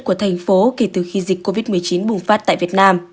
của thành phố kể từ khi dịch covid một mươi chín bùng phát tại việt nam